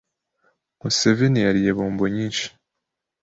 Museveni yariye bombo nyinshi.